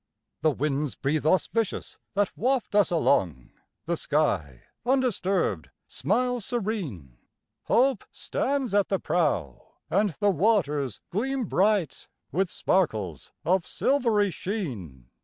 The winds breathe auspicious that waft us along, The sky, undisturbed, smiles serene, Hope stands at the prow, and the waters gleam bright With sparkles of silvery sheen.